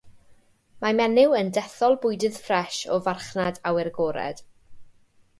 Mae menyw yn dethol bwydydd ffres o farchnad awyr agored.